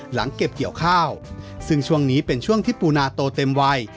หลังเก็บเกี่ยวข้าวซึ่งช่วงนี้เป็นช่วงที่ปูนาโตเต็มวัย